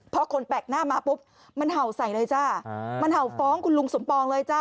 พอคนแปลกหน้ามาปุ๊บมันเห่าใส่เลยจ้ามันเห่าฟ้องคุณลุงสมปองเลยจ้า